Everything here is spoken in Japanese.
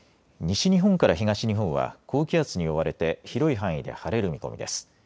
西日本から東日本は高気圧に覆われて広い範囲で晴れる見込みです。